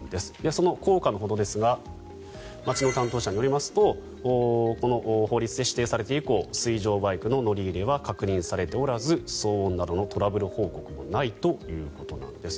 その効果のほどですが町の担当者によりますとこの法律で指定されて以降水上バイクの乗り入れは確認されておらず騒音などのトラブル報告もないということです。